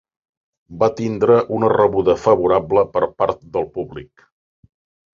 Va tindre una rebuda favorable per part del públic.